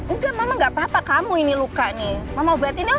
enggak mama gak apa apa kamu ini luka nih mama buat ini